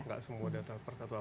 gak semua data persatu